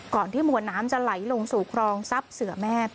ก่อนที่มวลน้ำจะไหลลงสู่ครองซับเสือแมบ